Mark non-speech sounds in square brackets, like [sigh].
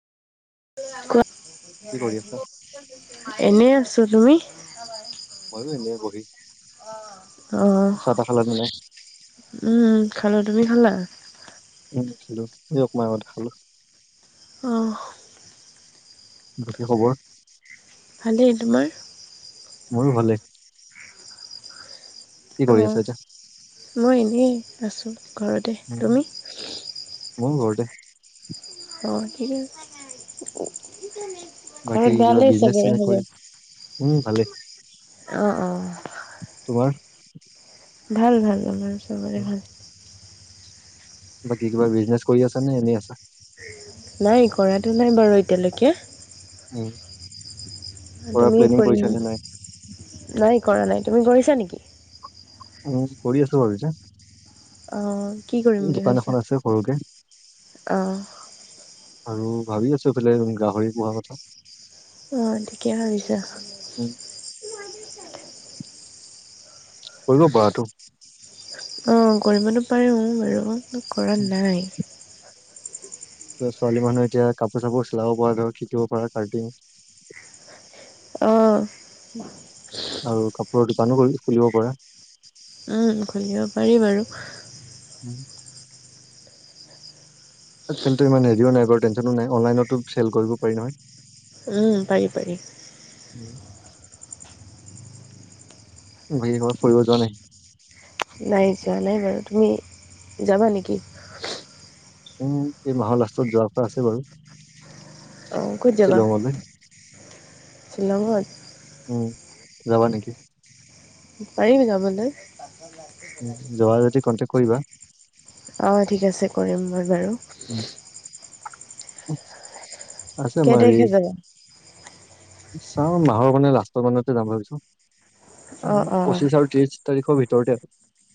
কোৱা, কি কৰি আছা? এনেই আছোঁ। তুমি? মইয়ো এনেই বহিছোঁ অ চাহ-তাহ খালানে নাই? উম, খালোঁ। তুমি খালা? উম, খালোঁ এই অকণমান আগতে খালোঁ। অহ। বাকী খবৰ? ভালেই, তোমাৰ? মোৰো ভালে। কি কৰি আছা এতিয়া? অ' মই এনেই আছোঁ ঘৰতে। উম, তুমি ময়ো ঘৰতে। অ' ঘৰত বাকী কিবা ভালেই বিজনেচ চবে চিজনেচ কৰি খবৰ? উম, ভালেই। অ', অ'। তোমাৰ? ভাল ভাল, আমাৰ চবৰে উম, ভাল। বাকী কিবা বিজনেচ কৰি আছা নে এনেই আছা? নাই কৰাতো নাই বাৰু এতিয়ালৈকে। উ, তুমি কৰাৰ প্লেনিং কৰিম কৰিছা নে নাই? নাই কৰা নাই। তুমি কৰিছা নেকি? উম, কৰি আছোঁ ঘৰতে। অ কি কৰিম বুলি দোকান ভাবিছা এখন আছে সৰুকে। অ আৰু ভাবি আছোঁ এইফালে গাহৰি পোহা কথা। অ' ঠিকে ভাবিছা। উম, কৰিব পাৰাতো। অ' কৰিবতো পাৰোঁ, বাৰু কৰা নাই। ছোৱালী মানুহে এতিয়া কাপোৰ চাপোৰ চিলাব পৰা, ধৰা শিকিবপৰা কাটিং। অ'। আৰু কাপোৰৰ দোকানো কৰি খুলিব পাৰা। উম, খুলিব পাৰি বাৰু। উম। আজিকালিতো ইমান হেৰিও নাই বাৰু টেনচন নাই, অনলাইনতো চেল কৰিব পাৰি নহয়। উম, পাৰি পাৰি। উম। ঘূৰিব ফুৰিব যোৱা নাই? নাই যোৱা নাই বাৰু। তুমি যাবা নেকি? উম, এই মাহৰ লাষ্টত যোৱাৰপৰা আছে বাৰু। অ' ক'ত যাবা? শ্বিলঙলৈ শ্বিলঙত? উম, যাবা নেকি? পাৰিম যাবলৈ। [unintelligible] উম, যোৱা যদি কণ্টেকট কৰিবা। অ' ঠিক আছে কৰিম মই বাৰু। উম, আছে কেই মাৰ তাৰিখে যাবা চাওঁ মাহৰ মানে লাষ্টৰ মানতে যাম ভাবিছোঁ। অ অ পঁচিশ আৰু ত্ৰিশ তাৰিখৰ ভিতৰতে আৰু।